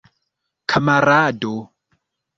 kamarado